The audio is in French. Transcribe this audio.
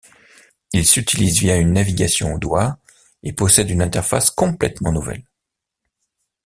Il s'utilise via une navigation au doigt, et possède une interface complètement nouvelle.